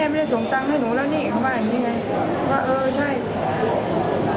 เขาบอกว่าหวังลุงดูให้แม่แล้วนี่ว่าเดือน